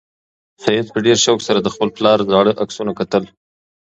سعید په ډېر شوق سره د خپل پلار زاړه عکسونه کتل.